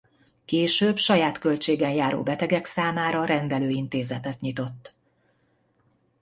Később saját költségén járó betegek számára rendelőintézetet nyitott.